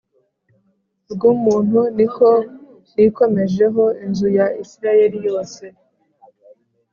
rw umuntu ni ko nikomejeho inzu ya Isirayeli yose